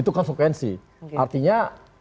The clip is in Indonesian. itu konsekuensi oke artinya